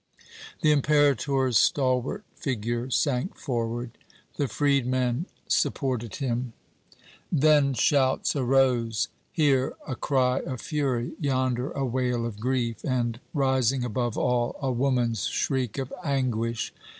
The Imperator's stalwart figure sank forward. The freedman supported him. "Then shouts arose, here a cry of fury, yonder a wail of grief, and, rising above all, a woman's shriek of anguish.